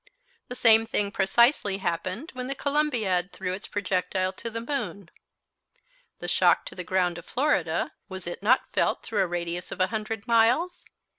The same thing precisely happened when the Columbiad threw its projectile to the moon. The shock to the ground of Florida, was it not felt through a radius of 100 miles?